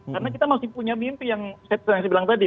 karena kita masih punya mimpi yang saya bilang tadi